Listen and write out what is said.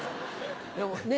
でもね